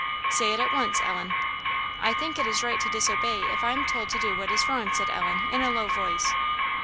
"Say it at once, Ellen." "I think it is right to disobey if I am told to do what is wrong," said Ellen, in a low voice.